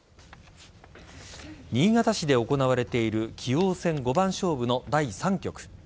新潟市で行われている棋王戦五番勝負の第３局。